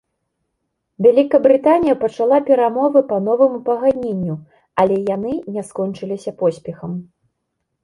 Вялікабрытанія пачала перамовы па новаму пагадненню, але яны не скончыліся поспехам.